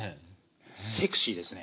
セクシーですね。